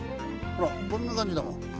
ほらこんな感じだもん。